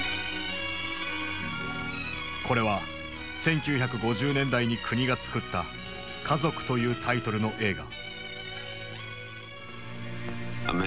これは１９５０年代に国が作った「家族」というタイトルの映画。